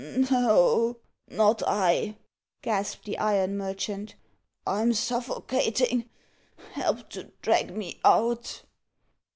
"N o o not I," gasped the iron merchant. "I'm suffocating help to drag me out."